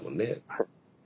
はい。